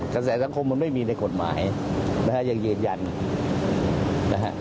กระแสสังคมมันไม่มีในกฎหมายนะฮะยังยืนยันนะฮะ